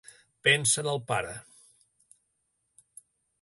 Pensa en el pare.